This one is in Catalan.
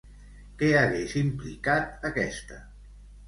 Què hagués implicat aquesta?